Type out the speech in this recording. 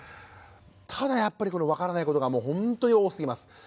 ただやっぱり分からないことがもうほんとに多すぎます。